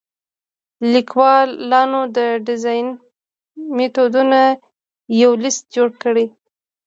لیکوالانو د ډیزاین میتودونو یو لیست جوړ کړی.